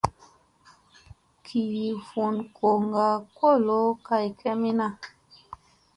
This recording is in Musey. Gi vun goŋga kolo kay kemina.